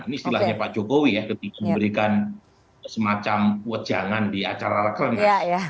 ini istilahnya pak jokowi ya lebih memberikan semacam wajangan di acara rekrenas